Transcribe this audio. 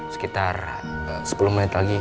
sekitar sepuluh menit lagi